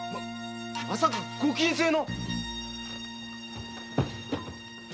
まさかご禁制の！？